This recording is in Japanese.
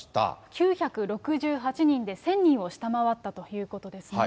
９６８人で、１０００人を下回ったということですね。